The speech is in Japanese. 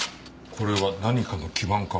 これは何かの基板か？